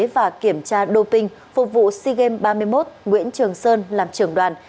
và kiểm tra đô pinh phục vụ sigem ba mươi một nguyễn trường sơn làm trưởng đoàn